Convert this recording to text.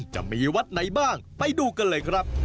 จะมีวัดไหนบ้างไปดูกันเลยครับ